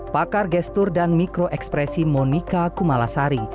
pakar gestur dan mikro ekspresi monika kumalasari